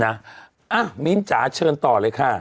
มิ้นจ๋าเชิญต่อเลยค่ะ